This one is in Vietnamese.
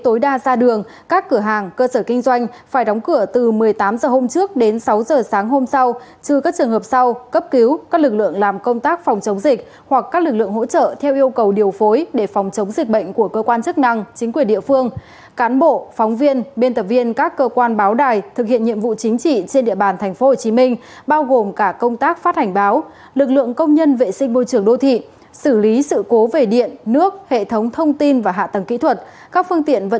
tối đa ra đường các cửa hàng cơ sở kinh doanh phải đóng cửa từ một mươi tám giờ hôm trước đến sáu giờ sáng hôm sau trừ các trường hợp sau cấp cứu các lực lượng làm công tác phòng chống dịch hoặc các lực lượng hỗ trợ theo yêu cầu điều phối để phòng chống dịch bệnh của cơ quan chức năng chính quyền địa phương cán bộ phóng viên biên tập viên các cơ quan báo đài thực hiện nhiệm vụ chính trị trên địa bàn tp hcm bao gồm cả công tác phát hành báo lực lượng công nhân vệ sinh môi trường đô thị xử lý sự cố về điện nước hệ thống thông tin và hạ tầ